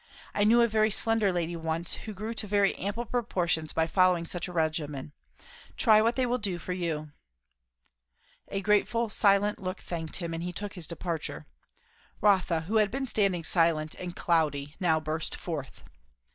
I knew a very slender lady once, who grew to very ample proportions by following such a regimen. Try what they will do for you." A grateful, silent look thanked him, and he took his departure. Rotha, who had been standing silent and cloudy, now burst forth.